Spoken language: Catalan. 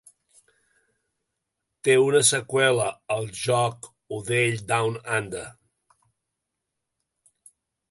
Té una seqüela, el joc "Odell Down Under".